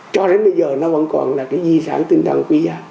cho đến bây giờ nó vẫn còn là cái di sản tinh thần quý giá